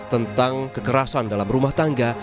tentang kekerasan dalam rumah tangga